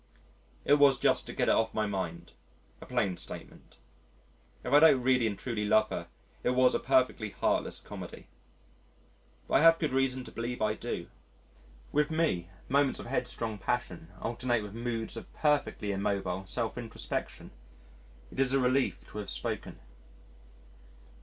It was just to get it off my mind a plain statement.... If I don't really and truly love her it was a perfectly heartless comedy. But I have good reason to believe I do. With me, moments of headstrong passion alternate with moods of perfectly immobile self introspection. It is a relief to have spoken.